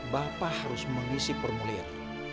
bapak harus mengisi formulir